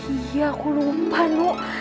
iya aku lupa nu